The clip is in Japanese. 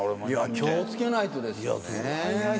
気を付けないとですよね。